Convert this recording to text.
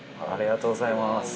ありがとうございます。